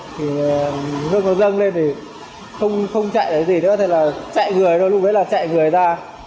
thì nước nó dâng lên thì không chạy cái gì nữa thì là chạy người thôi lúc đấy là chạy người ra